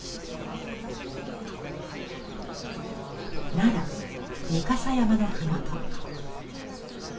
奈良御蓋山の麓。